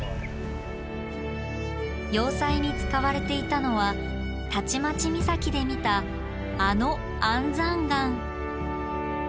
要塞に使われていたのは立待岬で見たあの安山岩。